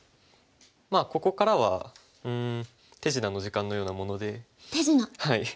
まあここからはうん手品の時間のようなもので。